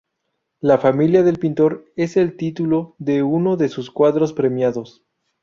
La familia del pintor es el título de uno de sus cuadros premiados.